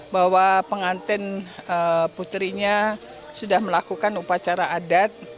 bahwa pengantin putrinya sudah melakukan upacara adat